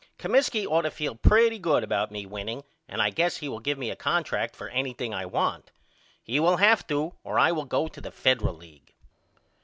Comiskey ought to feel pretty good about me winning and I guess he will give me a contract for anything I want. He will have to or I will go to the Federal League.